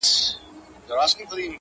یوه ورځ قسمت راویښ بخت د عطار کړ،